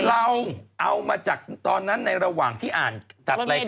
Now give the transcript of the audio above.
เราเอามาจากตอนนั้นในระหว่างที่อ่านจัดรายการ